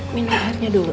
minum airnya dulu